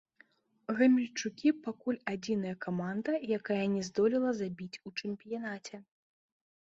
Гамельчукі пакуль адзіная каманда, якая не здолела забіць у чэмпіянаце.